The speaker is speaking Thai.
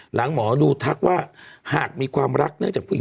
หมอดูทักว่าหากมีความรักเนื่องจากผู้หญิง